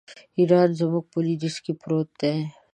ایران زموږ په لوېدیځ کې پروت دی.